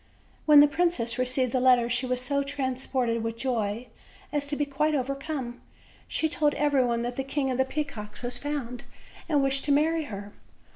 When the princess received the letter she was so trans ported with joy as to be quite overcome; she told every body that the King of the Peacocks was found and wished to marry her.